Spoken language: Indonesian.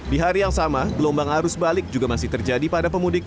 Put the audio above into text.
di hari yang sama gelombang arus balik juga masih terjadi pada pemudik